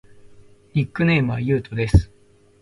ニックネームはゆうとです。